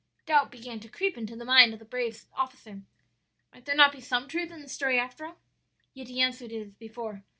"Doubt began to creep into the mind of the brave officer. 'Might there not be some truth in the story after all?' Yet he answered as before.